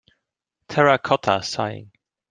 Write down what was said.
Terracotta Sighing.